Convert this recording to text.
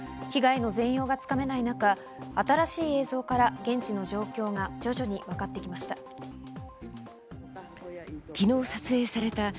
被害の全容が掴めない中、新しい映像から現地の状況が徐々にわかってきました。